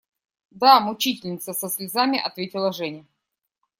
Да… мучительница! – со слезами ответила Женя.